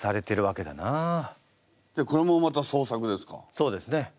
そうですね。